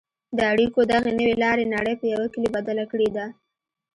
د اړیکو دغې نوې لارې نړۍ په یوه کلي بدله کړې ده.